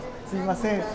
すみません。